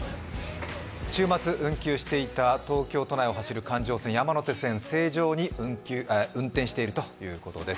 週末運休していた東京都内を運行する環状線山手線、正常に運転しているということです。